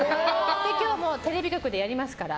今日もテレビ局でやりますから。